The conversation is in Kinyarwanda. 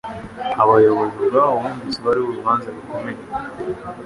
Abayobozi ubwabo bumvise bariho urubanza rukomeye